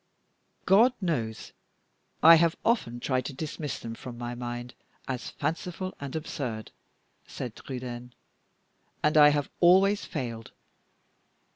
"God knows I have often tried to dismiss them from my mind as fanciful and absurd," said Trudaine, "and I have always failed.